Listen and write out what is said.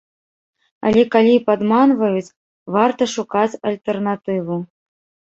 Але калі падманваюць, варта шукаць альтэрнатыву.